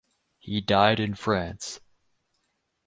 He died in France.